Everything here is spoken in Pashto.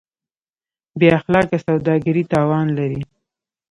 بېاخلاقه سوداګري تاوان لري.